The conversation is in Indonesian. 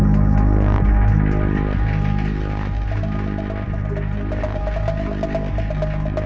tidak ada yang papa jago itu tetengah nih